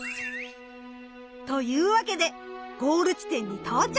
というわけでゴール地点に到着！